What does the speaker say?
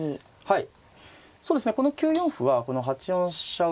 はい。